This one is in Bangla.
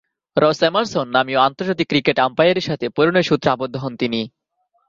রস এমারসন নামীয় আন্তর্জাতিক ক্রিকেট আম্পায়ারের সাথে পরিণয়সূত্রে আবদ্ধ হন তিনি।